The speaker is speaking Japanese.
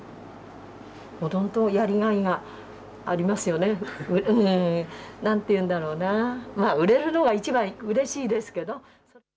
もともとやりがいがありますよね。なんていうんだろうな、売れるのが一番うれしいですけど。